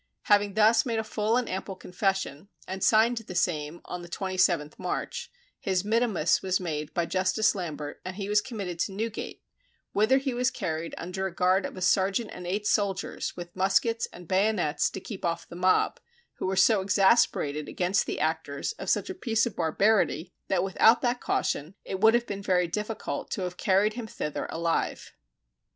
Having thus made a full and ample confession, and signed the same on the 27th March, his mittimus was made by Justice Lambert, and he was committed to Newgate, whither he was carried under a guard of a serjeant and eight soldiers with muskets and bayonets to keep off the mob, who were so exasperated against the actors of such a piece of barbarity that without that caution it would have been very difficult to have carried him thither alive.